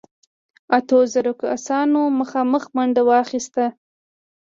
اتو زرو آسونو مخامخ منډه واخيسته.